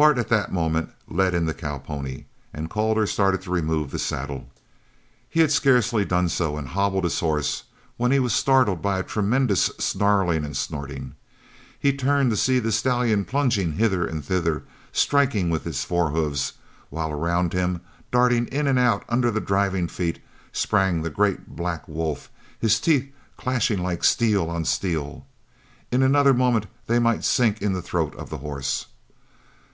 Bart at that moment led in the cowpony and Calder started to remove the saddle. He had scarcely done so and hobbled his horse when he was startled by a tremendous snarling and snorting. He turned to see the stallion plunging hither and thither, striking with his fore hooves, while around him, darting in and out under the driving feet, sprang the great black wolf, his teeth clashing like steel on steel. In another moment they might sink in the throat of the horse!